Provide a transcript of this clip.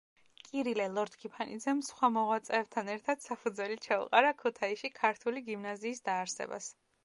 კირილე ლორთქიფანიძემ სხვა მოღვაწეებთან ერთად საფუძველი ჩაუყარა ქუთაისში ქართული გიმნაზიის დაარსებას.